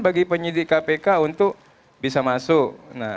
bagi penyidik kpk untuk bisa masuk